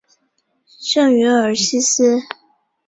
圣于尔西斯。